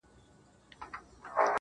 دا بې ذوقه بې هنره محفلونه زموږ نه دي-